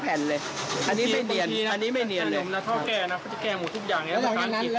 แล้วเรามีวิเคราะห์สังเกตอะไรแบบนั้น